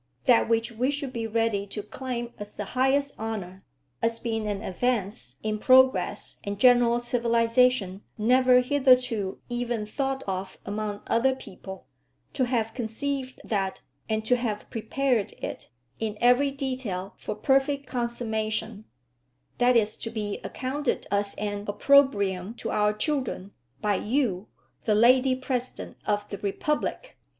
That which we should be ready to claim as the highest honour, as being an advance in progress and general civilisation never hitherto even thought of among other people, to have conceived that, and to have prepared it, in every detail for perfect consummation, that is to be accounted as an opprobrium to our children, by you, the Lady President of the Republic!